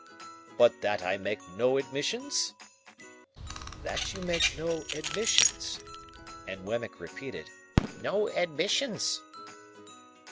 "But that I make no admissions?" "That you make no admissions." And Wemmick repeated, "No admissions."